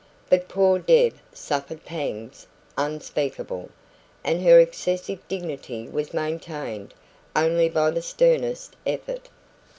But poor Deb suffered pangs unspeakable, and her excessive dignity was maintained only by the sternest effort.